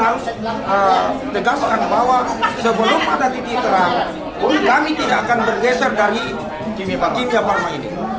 saya ingin menegaskan bahwa sebelum ada titik terang kami tidak akan bergeser dari kimia farma ini